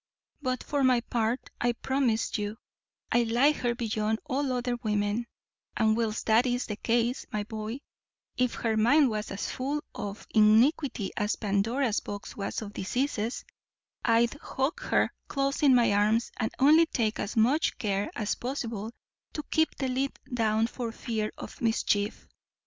But for my part, I promise you, I like her beyond all other women; and, whilst that is the case, my boy, if her mind was as full of iniquity as Pandora's box was of diseases, I'd hug her close in my arms, and only take as much care as possible to keep the lid down for fear of mischief.